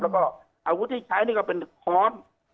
แล้วก็อาวุธที่ใช้นี่ก็เป็นค้อน